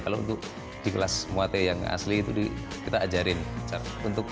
kalau untuk di kelas muate yang asli itu kita ajarin